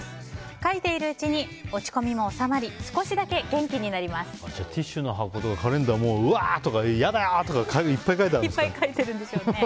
書いているうちに落ち込みも収まりティッシュの箱とかカレンダーにうわー！とかやだー！とかいっぱい書いてあるんだ。